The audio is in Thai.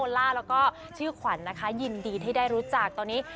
ล่าแล้วก็ชื่อขวัญนะคะยินดีที่ได้รู้จักตอนนี้